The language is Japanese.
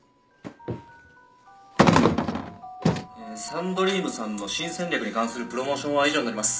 「サンドリームさんの新戦略に関するプロモーションは以上になります」